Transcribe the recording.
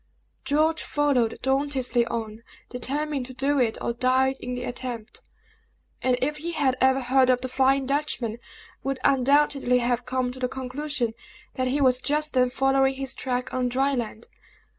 George followed dauntlessly on, determined to do it or die in the attempt; and if he had ever heard of the Flying Dutchman, would undoubtedly have come to the conclusion that he was just then following his track on dry land.